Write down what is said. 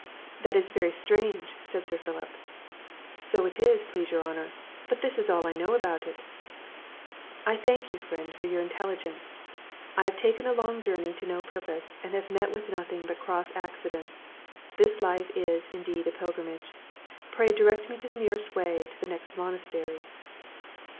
"That is very strange!" said Sir Philip. "So it is, please your honour; but this is all I know about it." "I thank you, friend, for your intelligence; I have taken a long journey to no purpose, and have met with nothing but cross accidents. This life is, indeed, a pilgrimage! Pray direct me the nearest way to the next monastery."